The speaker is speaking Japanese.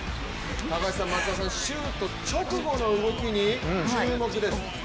高橋さん、松田さん、シュート直後の動きに注目です。